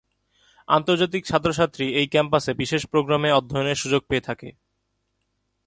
আন্তর্জাতিক ছাত্রছাত্রী এই ক্যাম্পাসে বিশেষ প্রোগ্রামে অধ্যয়নের সুযোগ পেয়ে থাকে।